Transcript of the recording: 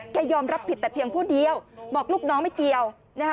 ยอมรับผิดแต่เพียงผู้เดียวบอกลูกน้องไม่เกี่ยวนะคะ